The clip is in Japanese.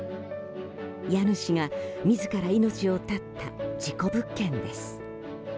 家主が自ら命を絶った事故物件です。